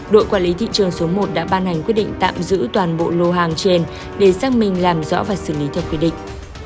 đội quản lý thị trường số một đã ban hành quyết định tạm giữ toàn bộ lô hàng trên để xác minh làm rõ và xử lý theo quy định